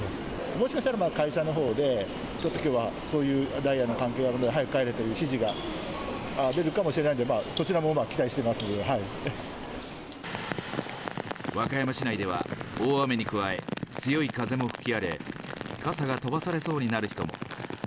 もしかしたら会社のほうで、ちょっときょうはそういうダイヤの関係があるので、早く帰れという指示が出るかもしれないんで、そちらも期待してま和歌山市内では、大雨に加え、強い風も吹き荒れ、傘が飛ばされそうになる人も。